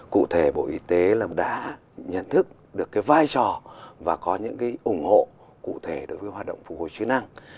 cụ thể bộ y tế đã nhận thức được cái vai trò và có những ủng hộ cụ thể đối với hoạt động phục hồi chức năng